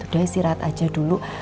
udah istirahat aja dulu